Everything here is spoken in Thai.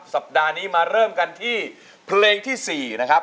สัปดาห์นี้มาเริ่มกันที่เพลงที่๔นะครับ